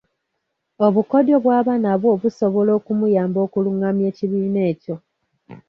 Obukodyo bw’aba nabwo busobola okumuyamba okulungamya ekibiina ekyo.